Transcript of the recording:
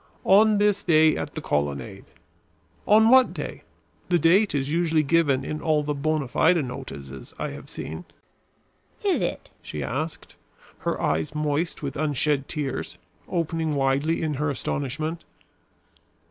"'On this day at the Colonnade ' On what day? The date is usually given in all the bona fide notices I have seen." "Is it?" she asked, her eyes moist with un shed tears, opening widely in her astonishment.